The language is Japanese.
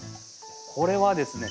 これはですね